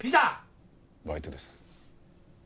バイトです。